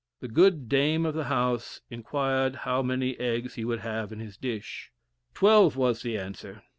The good dame of the house inquired how many eggs he would have in his dish. Twelve, was the answer.